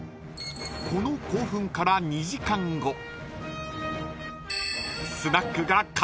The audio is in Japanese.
［この興奮から２時間後］